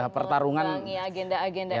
menemukan agenda agenda itu